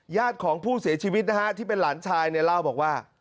ญาติของผู้เสียชีวิตนะฮะที่เป็นหลานชายเนี่ยเล่าบอกว่า